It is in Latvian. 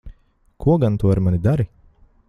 Ko gan tu ar mani dari?